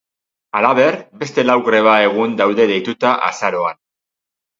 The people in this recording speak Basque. Halaber, beste lau greba egun daude deituta azaroan.